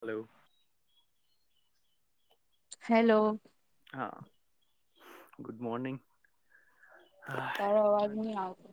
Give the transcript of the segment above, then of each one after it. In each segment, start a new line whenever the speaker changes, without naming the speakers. Hello
hello
હા good morning
તારો અવાજ નહી આવતો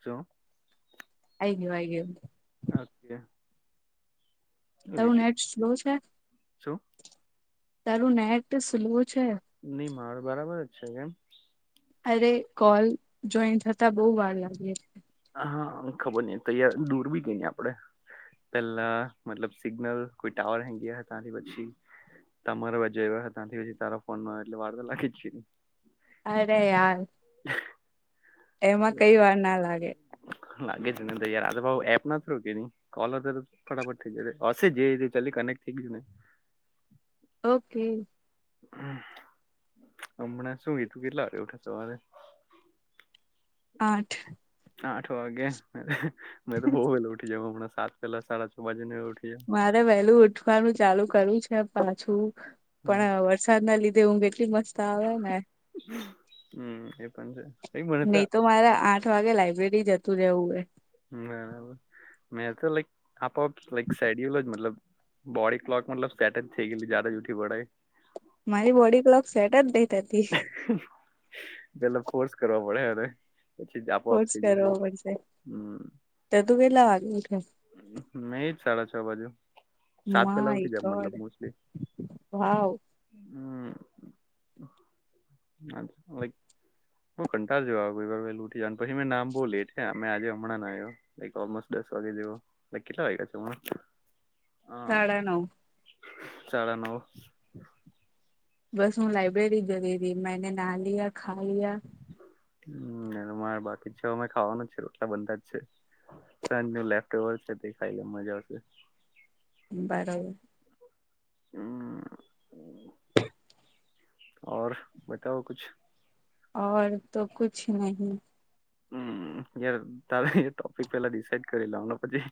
ચો
આઈ ગય વા ગે
અચછ્યા
તારું નેટ સ્લો છે
ઓ સો
તારું નેટ સુલવું છે
નહી મારો બરાબર જ છે કેમ
અરે કોલ જોઈન થતા બહ વાર લાગી
હા ખબર નઈ તયાર દૂર બી ગઈ ન આપડે પેલા મતલબ સિગ્નલ કોઈ ટાવર હેગ હતા તની પછી તમારા બ આવ ત્યાંથી પછી તારા ફોન માં એટલે વાર તો લાગી જને
અરે આાર એમાં કઈ વાર ના લાગે
લાગે છે ને તો યાર આ ભ એપ ના થ્રુ કે નહી કોલર તો ફટાફટ થઈ જ હ જે ચ કનેક્ટ થઈ ગું ને
ઓકે
હ હમણાં શું કીધું કેટલા રે ઉઠે સવારે [inaudible]
આઠ
આઠ વાગે મે તો બહુ વેલા ઉઠી જ હમણાં સાત પેલા સાડા છ વાે ઉઠી જ
મારે વહેલું ઉઠવાનું ચાલુ કરું છે પાછું
હમ
પણ સાના લીધે ઊંઘ એટલી મસ્ત આવે ને
હમ એ પણ છે એ મને
નહી તો મારે આઠ વાગે લાઈબ્રેરી જતું રહેવું હે
બરાબર મેં તો લાઈક આપઆપ લાઈક સેડ્યયુલ જ મતલબ બોડી ક્લોક મતલબ સેટ થઈ ગય જદા જ ઉઠી પડાય
મારી બોડી ક્લોગ સેટ જ દઈ ત હતી
પેલા ફોર્સ કરવા પડે હ
કોર્સ કરવો પડશે તો તું કેટલા વાગે ઉઠે
નહી જ સાડા છ બાજુ સાત પેલા ઉઠી જમ મતલબ મોસ્ટલી
હ
હમ લઈક બ કંટાળ જોવા આવઈ વારે લ ઉંટી જ ને પછીં નામ બહુ લે છે અમે આજે હમણાં આવ્યો લ ઓલમોસ્ટ દસ વાગે જેવો લક કેટલા વાગ્યા છે હ
સાડા નવ
સાડા નવ
બસ હું લાઇબ્રેરી ગય રહી મેને નાહા લિયા ખા લયા
હમ મારે બાકી છે અમે ખાવાનું છે રોટલા બના જ છે સાંજ નું લેપબલ છે દેખાય મજા આવશે
બરાબર
હમ બતાવ કછ
તો કછ નહીં
હમ યાર તારેા એ ટોપિક પેલા ડિસાઈડ કરી લાવને પછી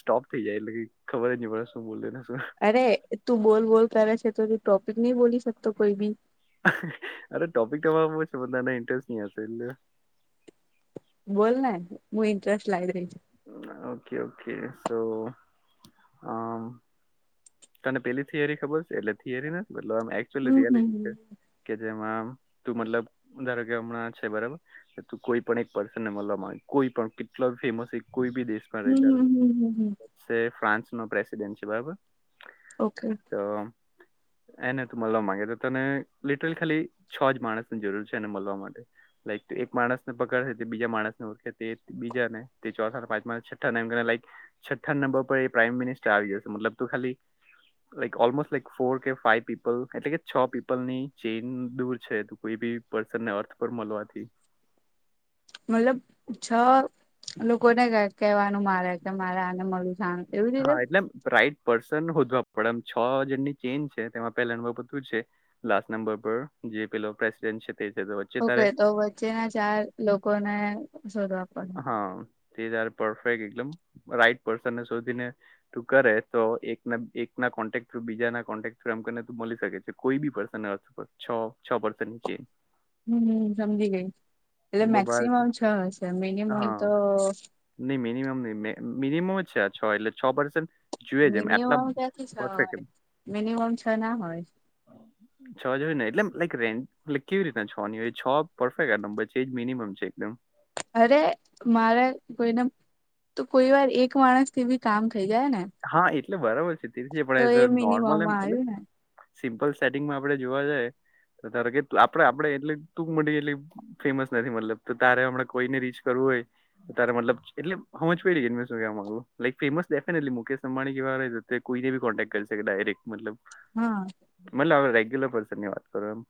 સ્ટોપ થઈ જાય એટલે ખબર જ ન પડે શું બોલ ને શું
અરે તું બોલ બોલ કર છે તો ત ટોપિક નહી બોલી શકતો કોઈ બી
અરે ટોપિક તમારે બહ છે બધાને ઇન્ટરેસ્ટ હશે એટલે
બોલના હું ઇન્ટરેસ્ટ લાગ ર
ઓકે ઓકે સો તને પેલી થિયરી ખબર છે એટલે થિયરીને આચલી
હમ હમ
રિયાલિટી છે કે જેમાં તું મતલબ ધારો કે હમણાં છે બરોબર ત કોઈ પણ એક પર્સનને મળવા માં કોઈ પણ કેટલા ફેમસ એક કોઈ બી દેશ
હમ હમ હમ હમ હમ
ફ્રાન્સ નો પ્રેસિડેન્ટ છે બાબ
ઓકે
તો એને તું મળવા માંગે તો તને લિટરલી ખાલી છ જ માણસની જરૂર છે એને મળવા માટે લ એક માણસ ને પકડે તે બીજા માણસ ને ઓખે તે બીજા ને તે ચો પાંચ મા છઠ્ઠા ને એક છઠ્ઠા નંબર પર એ પ્રાઈમ મિનિસ્ટર આવી ગયોશે છે મતલબ તો ખાલી લાઈક ઓલમોસ્ટ લાઈક ફોર કે ફાઈવ પીપલ એટલે કે છ પીપલ ની ચેઇન દૂર છે કોઈ બી પર્સન ને અર્થ પર મળવાથી
મતલબ છ લોકોને કેવાનું મારે કે મારે આને મારું [unintelligible]
હા એટલે રાઈટ પર્સન હોજવા પડે એમ છ જણની ચેઇન છે તેમાં પહેલા અનુવ બધું છે લાસ્ટ નંબર પર જે પેલો પ્રેસિડેન્ટ છે તે વચ્ચે
ઓકે
તારે
તો વચ્ચેના ચાર લોકોને શોધવા પડે
હા તે તારે પરફેક્ટ એકદમ રાઈટ પર્સનને શોધીને તું કરે તો એક એક ના કોન્ટેક્ટ થ્રુ બીજાના કોન્ટેક થુ એમને તું મળી શકે છે કોઈ બી પર્સન છ છ પર્સની ચેન.
હમ સમજી ગઈ એટલે
બહુ બહાર છે.
મેક્સિમમ છ હશે મિનિમમ તો
નહી મિનિમમ નહી મિનિમમ જ છે આ છ એટલે છ પરસેન્
મિનિમમ ક્યાંથી છ હોય મિનિમમ છ ના હોય.
છ જ હોય ને એટલે એમ લાઈક રેન્ એટલે કેવી રીતના છોની છ પરફેક્ટ આમ એ જ મિનિમમ છે એકદમ.
અરે મારે કોઈને તો કોઈ વાર એક માણસ થી બી કામ થઈ જાય ને.
હા એટલે બરાબર છે તે
તો
પણ એ
મિનિમમમાં
નોર્મલ એમ એટ
આવ્યું ને
સિમ્પલ સેટિંગમાં આપડે જોવા જાય ધાર કે આપડે આપડે એટલે ટુંક મળી ગેલી ફેમસ નથી મતલબ તો તારે હમણા કોઈને રીચ કરવું હોય તારે મતલબ એટલે હમજ પૈડી હું શું કેવા માંગુ છું. [unintelligible] કોઈને કોન્ટેક્ટ કરીકે ડાયરેક્ટ મતલબ
હા.
મતલ રેગ્યુલર પર્સનની વાત કરો એમ.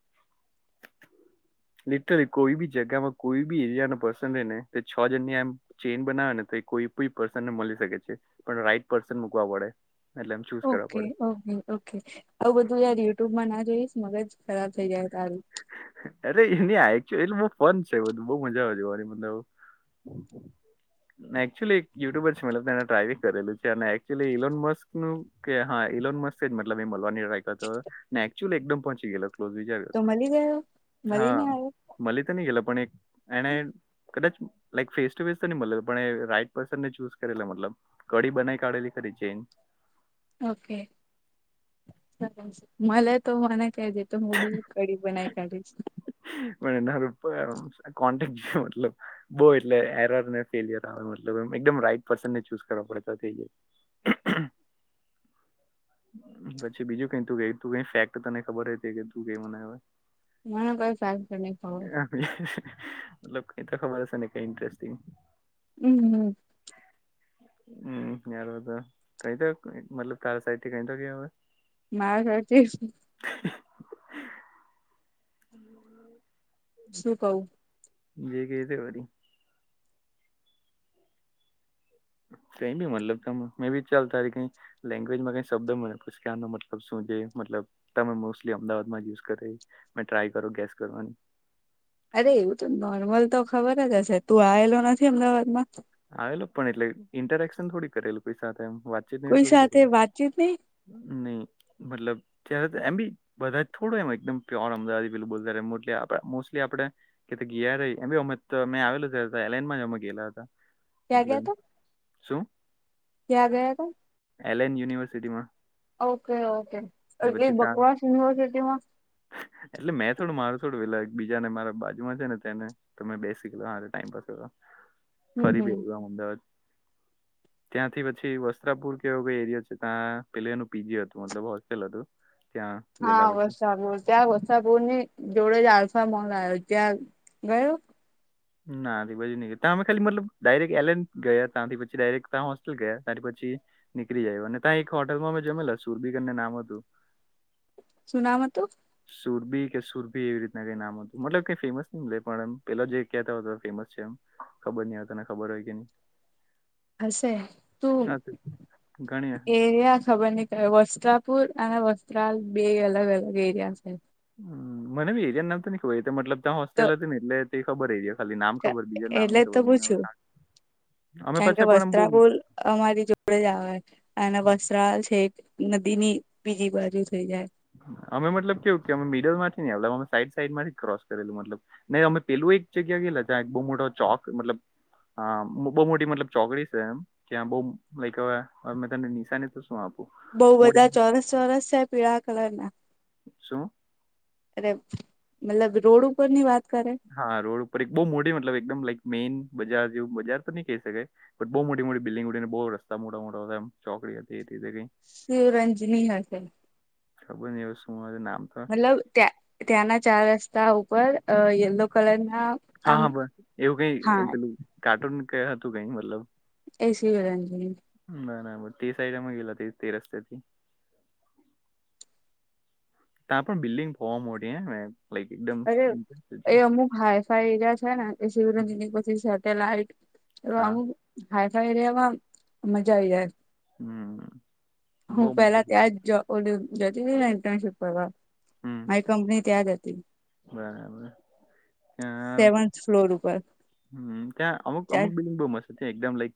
લિટરલી કોઈ બી જગામાં કોઈ બી એરિયા ન પસંદેને છ જન ની એમ ચેન બનાવે ને તો કોઈ પણ પર્સન ને મળી શકે છે પણ રાઈટ પર્સન મૂકવા પડે. એટલે એમ ચૂઝ કરવા
ઓકે
પડે
ઓકે. ઓકે. આવું બધું યાર યુટ્યુબમાં ના જોઈશ મગજ ખરાબ થઇ જાય તારું.
અરે એલી આચ્યું એટલે બહુ ફન છે બધું બહુ મજા આવે જોવાની મતલબ. એક્ચ્યુલી એક યુટ્યુબર છે મતલબ તેને ડ્રાઇવિંગ કરેલું છે અને એકચુઅલી ઇલોન મસ્કનું કે હા ઇલોન મસ્ત જ મતલબ એ મલવાની ટ્રાય કરતો ને એક્ચ્યુલી એકદમ પહોચી ગેલો ક્લોજી
તો મલી ગયો, મલી ને આયો.
મલી તો ની ગેલો પણ એક એણે કદાચ લાઈક ફેસ ટુ ફેસ તો ની મલે પણ એ રાઈટ પર્સનને ચૂસ કરેલો મતલબ. કડી બનાઈ કાઢેલી ખરી ચેન
ઓકે મલે તો મને કેજે. તો હું બી કડી બનાઈ કાઢીશ.
મને ના [inaudible] કોન્ટેક્ટ જો મતલબ. બહુ એટલે એરરને ફેલિયર આવે મતલબ એમ એકદમ રાઈટ પર્સનને ચુસ કરવા પડે તો થઈ જાય. પછી બીજું કઈ તું એ તું એ ફેક્ટ તને ખબર હોઈ કે કે તું એ બનાયવા.
મને કોઈ ફેકટ તો નહીં ખબર.
મતલબ કઈ તો ખબર હશે ને કઈ ઇન્ટરેસ્ટિંગ.
હમ હમ.
હમ હારું તો કઈ દઉં મતલબ તારા સાઈડ તે કઈ તો કે હવે.
માર [inaudible]
[inaudible] હમ
શું કઉં?
જે કઈ દે વરી. ફ્રેન્ડ ભી મતલબ તમે મેં વિચાર તારી કંઈ લેંગ્વેજમાં કઈ શબ્દ મને પૂસ કે આનો મતલબ શું છે મતલબ તમે મોસ્ટલી અમદાવાદમાં યુઝ કરી ને ટ્રાય કરો ગેસ કરવાની.
અરે એવું તો નોર્મલ તો ખબર જ હશે તું આયલો નથી અમદાવાદમાં?
આવેલો પણ એટલે ઇન્ટએક્શન થોડી કરેલું કોઈ સાથે એમ વાતચીત ને એ
કોઈ
થોડી
સાથે
કરી.
વાતચીત નહી
ની મતલબ ત્યારે તો એમ બી બધા થોડું એમ એકદમ પ્યોર અમદાવાદી પેલું બોલતા રે મોટલી આપે મોસ્ટલી આપડે. કે તે ગિયા રે એમ બી અમે તો અમે આવેલું એ એલ એનમાં જ અને ગેયલા હતા.
ક્યાં
એટલે શું?
ત્યાં ગયાતા?
એલેન યુનિવર્સિટીમાં.
ઓકે ઓકે
ને
એટલે
પછી ત્યાં
બકવાસ યુનિવર્સિટી માં
એટલે મેં થોડું મારું થોડું પેલા એક બીજા ને મારા બાજુમાં છે ને તેને તમે બેસ શીખલો હ ટાઈમ પા કર
હમ
ફરી
હમ
બી અમદાવાદ ત્યાંથી પછી વસ્ત્રાપુર કે એવો કઈ એરિયા છે તા પેલે એનું પીજી હતું મતલબ હોસ્ટેલ હતું. ત્યાં
હા
ગયેલા પછી
વસાપુર ત્યાં વસાપુરની જોડે જ આલ્ફા મોલ આયો, ત્યાં ગયો?
ના આજી બાજુ નહીં તા અમે ખાલી મતલબ ડાયરેક્ટ એલેન ગયા તાથી પછી ડાયરેક્ટ તા હોસ્ટેલ ગયા ત્યાંથી પછી નીકરી જાય અને તા એક હોટલમાં અમે જમેલા સુરબી કરીને નામ હતું.
શું નામ હતું?
સુરબી કે સુરભી એવી રીતના કઈ નામ હતું મતલબ કઈ ફેમસ ની મલે પણ એમ પેલો જે કેતો હતો ફેમસ છે એમ ખબર નહીં હવે તને ખબર હોય કે ની.
હશે તું
ઘણી
એરિયા ખબરની એ વસ્ત્રાપુર અને વસ્ત્રાલ બે અલગ અલગ એરિયા છે.
હમ મને બી એરિયાનું નામ તો ની ખબર એ તો મતલબ ત્યાં
તો
હોસ્ટેલ હતી ને એટલે તે ખબર એરિયા ખાલી નામ ખબર બીજા નામ
એટલે
ની
તો
ખબર મને હવે
પૂછ્યું
[inaudible] અમે
કારણ કે
પાછા પણ આમ બહુ
વસ્ત્રાપુલ અમારી જો આપ જવા અનેના વસ્ત્રાલ છે નદી ની બીજી બાજુ થઈ જાય
અમે મતલબ કેવું કે અમે મિડલ માંથી નેડ અમે સાઈડ સાઈડ માંથી ક્રોસ કરેલું મતલબ નહી અમે પેલું એક જગ્યા ગયલા ત્યાં એક બહુ મોટો ચોક મતલબ હા બહુ મોટી મતલબ ચોકડી છે એમ ક્યાં બહુ લવે તને નિશાનીને તો શું આપ
બઉ બધા ચોરસ ચોરસ છે પીળા કલર ના
શું
અરે મતલબ રોડ ઉપર ની વાત કરે
હા રોડ ઉપર એક બહુ મોટી મતલબ એકદમ લક મેઈન બજાર જેવું બજાર પર નહી કહી શકાય બઉ મોટી મોટી બિલ્ડિંગ ઉડી બહુ રસ્તા મોટા મોટા હતામ ચોકડી હતી એીઈ
શિવરંજની હશે
ખબર ન શું નામ તો
મતલબ ત્યાં ત્યાંના ચાર રસ્તા ઉપર યલો કલર ના
હા
આમ
હા બસ એવું કઈ
હા
પેલું કાર્ટૂન ક હતું કઈ મતલબ
એસી ગ
ના ના બ તે સાઈડમાં ગેલા તે રસ્તતાથી ત્યાં પણ બિલ્ડિંગ બહવા મોટી હ
અરે એ અમુક હાઈ ફાઈ એરિયા છે ને એ શિવરજની પછી સેટેલાઈટ તો
હા
અમુક હાાઈફાઈ રહેેવામાં મજા આવી જાય
હમ બહુ
હું પેલા
મોટી
ત્યાં
બિલ્ડિંગ
જ જતી હતી ને ઇન્ટનશીપ કરવા
હમ
મારી કંપની ત્યા જ હતી
બરાબર હ
સેવન્થ ફ્લોર ઉપર
હમ્યા અમુક
ચાર
અમુક બિલ્લિંગ બહુ મત એકમ લાઈક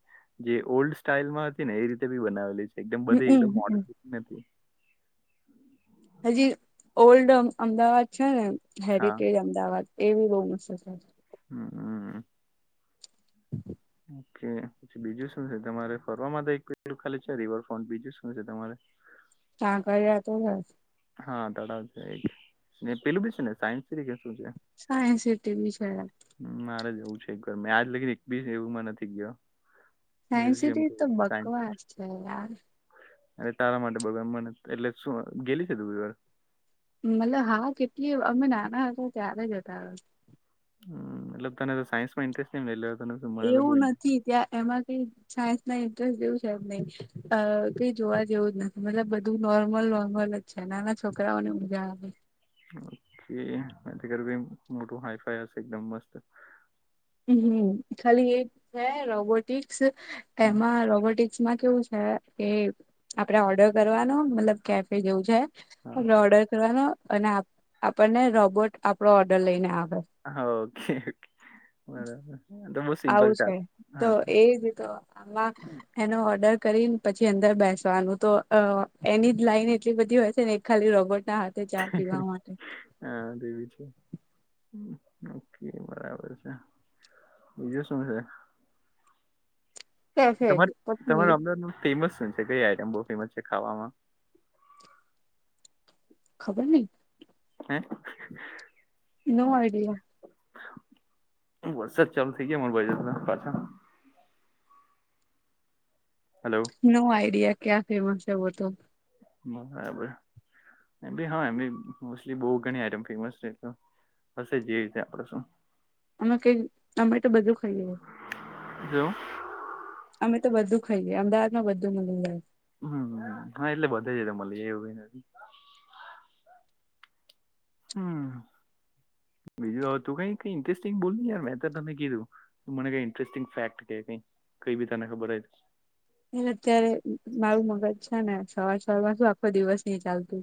જે ઓલ્ડ સ્ટાઈલમાં હતી ને એ રીતે બી બનાવેલી છે એકમ બધી એક મોડ
હમમ
નથી
હજી ઓલ્ડ અમદાવાદ છે ને
હા
હેરિટેજ અમદાવાદ એ બી બહુમ
હમમ
હમ
ઓકે પછી બીજું શું છે તમારે ફર માટે તો એક પેલું ખાલી છે રિવરફ્રન્ટ બીજું શું છે તમારે
કા કર્યા તો હસ
હા તળાવ છે એક પેલું બી છે ને સાયન્સ તરીકે શું છે
સાયન્સિટીવી છે
મારે જવું છે ઘર મેં આજ લગીને એક બીસ એવું માં નથી ગયો
સાયન્સ
મ્યુઝિયમ
સિટી
કે
તો બકવાસ છે યાર
અ તારા માટે બગા મને એટલે શું ગેલી છે દ વાર
મતલબ હા કેટલી અમે નાના હતા ત્યારે જ હતા
હ મતલબ તને તો સાયન્સ ઇન્ટરેસ્ટ નલો
એવું નથી ત્યાં એમાં કઈ સાયન્સમાં ઇન્ટરેસ્ટ જેવું છે નહી અ ક જોવા જેવું જ નથી મતલબ બધું નોર્મલ નોર્મલ નાના છોકરાઓ ને ઉઊજા આવે
ઓકે કર મોટું હાઈફાઈ એકદમ મસ્ત
હ હમ ખાલી એ છે રોબોટિક્સ
હમ,
એમાં રોબોટિક્ માં કેવું છે કે આપડે ઓર્ડર કરવાનો મતલબ કેફે જેવું છે આપ
હા
ઓર્ડર કરવાનો અને આપણને રોબોટ આપડો ઓર્ડર લઈને આવે
હા ઓકે ઓકે બરાબર બ
આવું છે તો એજી તો આમાં એનો ઓર્ડર કરીને પછી અંદર બેસવાનું તો એની જ લાઈન એટલી બધી હોય છે ને ખાલી રોબોટ ના હાથે ચા પીવા માટે
હા તેવીી છે બરાબર છે વિ શ છે
કેફે
તમારે
પતી
તમારા
ગયું
અમદાદ ન ફેમસ છે કઈ આઈટમ બહ ફેમસ છે ખાવામાં
ખબર નહી
હે
નો આઈડિયા
વરસાદ ચાલુ થઇ ગયા માર ભાઈ પાછા હલો
નો આઈડિયા ક્યાં ફેમસ છે વ તો
બરાબર એમ હા એમ મોલી બહ ગણમ ફેમસ બ જેવી રી છે આપડે શું
અમે કઈક અમે તો બધું ખાઈએએ
હ
અમે તો બધું ખાઈએ અમદાવાદ માં બધું મીએ
હમ હા એટલે બધે છે મળી એવું ક નથી હમ બીજું તું કઈ ઇન્ટરેસ્ટિંગ બોલ યાર મેં તમે કીધું મને કઈ ઇન્ટરેસ્ટિંગ ફેક્ટ કે કઈ કઈ બી તને ખબર હો
એ અત્યારે મારું મગજ છે ને સવાર સ માં શું આખો દિવસ ન ચાલતું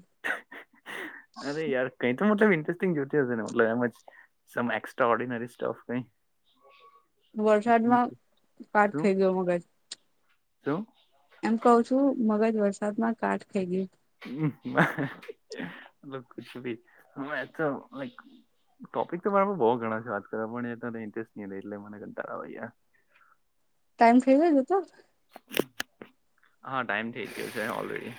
અરે યાર કઈ તો મતલબ ઇન્ટરેસ્ટિંગ જોતી હશે ને મતલબ એમ જ સમ એક્સ્ટ્રા ઓર્ડિનરી સ્ટફ કઈ
વરસાદમાં કાટ
શું
થઇ ગયો મગજ
શું
એમ કહ છું મગજ વરસાદમાં કાઠ થઈ ગયું
હ બ કછ ભી હ તો લક ટોપિક તો મારામાં બહુ ઘણા છે વાત કર પણ એ ઇન્ટરેસ્ટ નહી રહે એટલે મને ઘંટારાવા
ટાઈમ થઈ જજ તો
હા ટાઈમ થઇ ગયો છે ઓલરેડી